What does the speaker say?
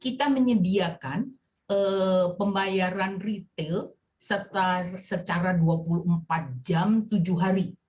kita menyediakan pembayaran retail secara dua puluh empat jam tujuh hari